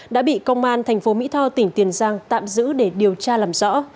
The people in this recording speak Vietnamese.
đã bị công an tp mỹ tho tỉnh tiền giang tạm giữ để điều tra làm rõ